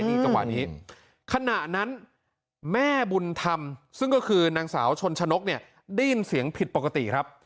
นี่จังหวะนี้ขณะนั้นแม่บุญธรรมซึ่งก็คือนางสาวชนชนกเนี่ยได้ยินเสียงผิดปกติครับ